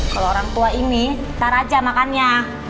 kalau orang tua ini taruh aja makannya